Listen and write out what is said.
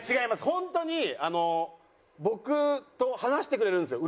本当に僕と話してくれるんですよ